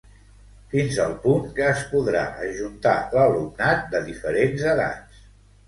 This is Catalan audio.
Fins al punt que es podrà ajuntar l'alumnat de diferents edats.